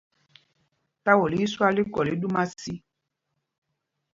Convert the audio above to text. Táwol í í swal tí kɔl í ɗúma sī.